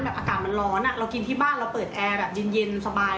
อากาศมันร้อนเรากินที่บ้านเราเปิดแอร์แบบเย็นสบาย